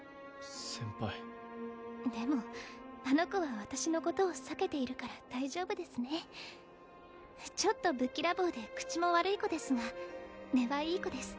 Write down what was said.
先輩でもあの子は私のことを避けているから大丈夫ですねちょっとぶっきらぼうで口も悪い子ですが根はいい子です